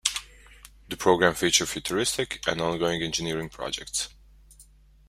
The program featured futuristic and ongoing engineering projects.